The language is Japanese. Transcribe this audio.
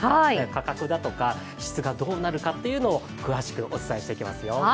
価格だとか質がどうなるかというのを詳しくお伝えしていきますよ。